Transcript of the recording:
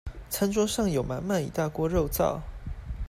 餐桌上有滿滿一大鍋肉燥